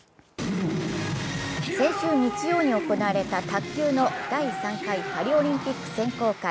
先週日曜に行われた卓球の第３回パリオリンピック選考会。